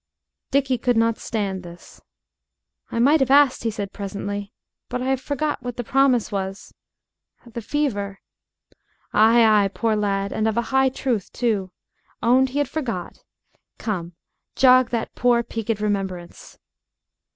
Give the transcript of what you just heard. Dickie could not stand this. "I might have asked," he said presently, "but I have forgot what the promise was the fever " "Ay, ay, poor lad! And of a high truth, too! Owned he had forgot! Come, jog that poor peaked remembrance."